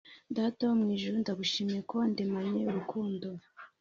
Data wo mu ijuru ndagushimye ko wandemanye urukundo